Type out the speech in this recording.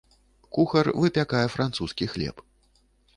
Кухар выпякае французскі хлеб.